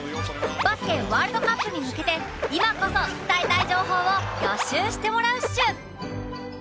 バスケワールドカップに向けて今こそ伝えたい情報を予習してもらうっシュ！